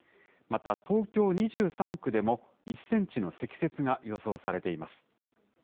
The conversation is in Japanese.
また、東京２３区でも１センチの積雪が予想されています。